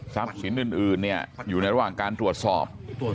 ทรัพย์ชิ้นอื่นเนี่ยอยู่ในระหว่างการตรวจสอบ